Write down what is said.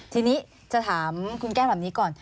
ทีนี้จะถามคุณแก้มแบบนี้ก่อน